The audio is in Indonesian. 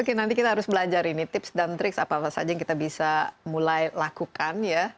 oke nanti kita harus belajar ini tips dan triks apa apa saja yang kita bisa mulai lakukan ya